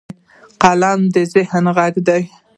قلم د ذهن غوږ دی